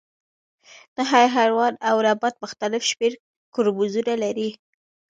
نه هر حیوان او نبات مختلف شمیر کروموزومونه لري